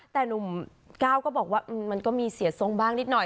แต่หนุ่มก้าวก็บอกว่ามันก็มีเสียทรงบ้างนิดหน่อย